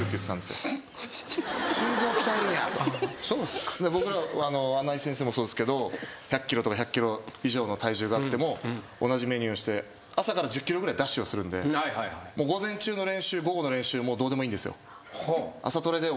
「心臓を鍛えるんや！」と僕ら穴井先生もそうですけど１００ｋｇとか１００ｋｇ以上の体重があっても同じメニューして朝から１０ｋｍぐらいダッシュをするんで午前中の練習午後の練習もうどうでもいいんですよ。